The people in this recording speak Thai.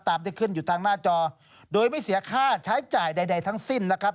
ที่ขึ้นอยู่ทางหน้าจอโดยไม่เสียค่าใช้จ่ายใดทั้งสิ้นนะครับ